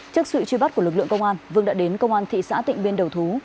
trước sự truy bắt của lực lượng công an vương đã đến công an thị xã tịnh biên đầu thú